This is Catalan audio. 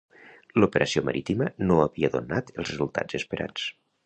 L'operació marítima no havia donat els resultats esperats.